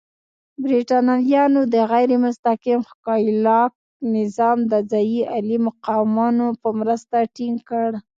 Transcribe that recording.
برېټانویانو د غیر مستقیم ښکېلاک نظام د ځايي عالي مقامانو په مرسته ټینګ کړ.